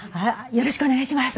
よろしくお願いします。